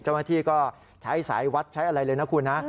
เจ้าหน้าที่ก็ใช้สายวัดใช้อะไรเลยนะคุณนะ